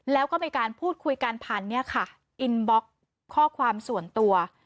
แล้วก็เป็นการพูดคุยกันผ่านเนี้ยค่ะข้อความส่วนตัว